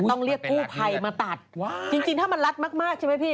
ต้องเรียกกู้ภัยมาตัดจริงถ้ามันรัดมากใช่ไหมพี่